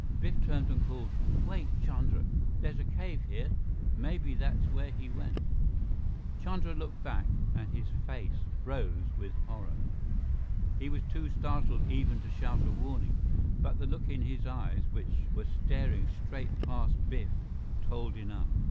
Biff turned and called, "Wait, Chandra. There's a cave here maybe that's where he went " Chandra looked back, and his face froze with horror. He was too startled even to shout a warning, but the look in his eyes, which were staring straight past Biff, told enough.